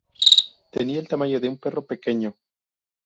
Tenía el tamaño de un perro pequeño.